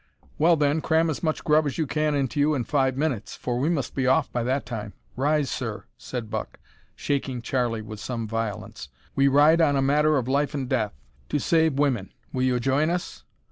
"Well, then, cram as much grub as you can into you in five minutes, for we must be off by that time. Rise, sir," said Buck, shaking Charlie with some violence. "We ride on a matter of life an' death to save women. Will you join us?"